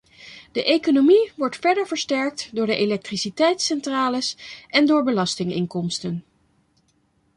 De economie wordt verder versterkt door de elektriciteitscentrales en door belastinginkomsten.